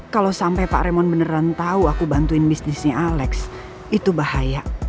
kalau sampai pak remond beneran tahu aku bantuin bisnisnya alex itu bahaya